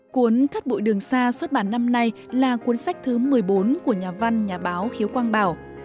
cuốn cát bụi đường xa xuất bản năm nay là cuốn sách thứ một mươi bốn của nhà văn nhà báo khiếu quang bảo